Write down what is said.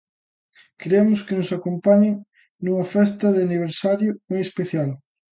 Queremos que nos acompañen nunha festa de aniversario moi especial.